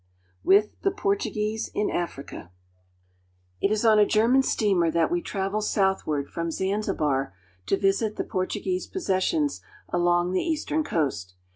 WITH THE PORTUGUESE IN AFRICA IT is on a German steamer that we travel southward from Zanzibar to visit the Portuguese possessions along the eastern coast.